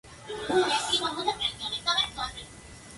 Ha ganado un total de cinco Ligas y ocho Copas.